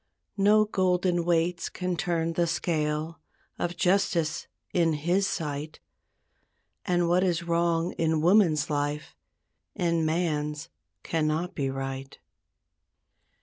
No golden weights can turn the scale Of justice in His sight; And what is wrong in woman's life In man's cannot be right.